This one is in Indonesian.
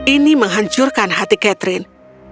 ini menghancurkan hati catherine